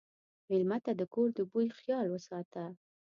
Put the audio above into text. مېلمه ته د کور د بوي خیال وساته.